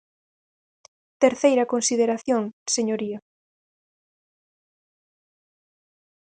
Terceira consideración, señoría.